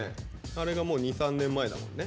あれがもう２３年前だもんね。